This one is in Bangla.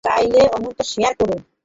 চাইলে অন্তত শেয়ার করুন।